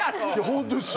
ホントです。